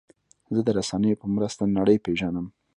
زه د رسنیو په مرسته نړۍ پېژنم.